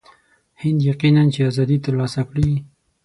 هند یقیناً چې آزادي ترلاسه کړي.